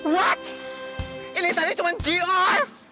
what ini tadi cuma gr